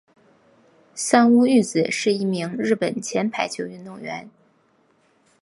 三屋裕子是一名日本前排球运动员。